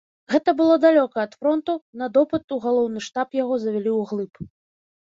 Гэта было далёка ад фронту, на допыт у галоўны штаб яго завялі ўглыб.